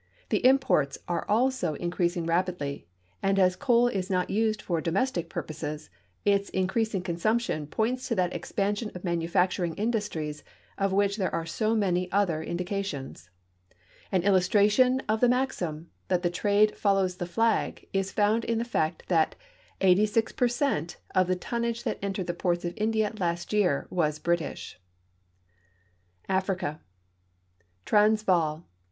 The imports are also in creasing rapidly, and as coal is not used for domestic purpo^^es, its increas ing consumption j)oints to that exi)ansion of manufacturing industries of which there are so many other indications^. An illustration of the maxim that the trade follows the flag is found in the fact that SG per cent of the tonnage that entered the ports of India last year was British. AFRICA Transvaal.